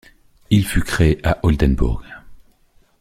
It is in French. Il fut créé à Oldenbourg.